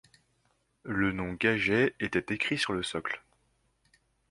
Le nom Gaget était écrit sur le socle.